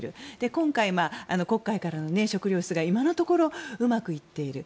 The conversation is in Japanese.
今回、国会からの食料輸出が今のところ、うまくいっている。